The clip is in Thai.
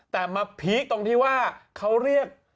แต่มาพีคตรงที่ว่าเขาเรียก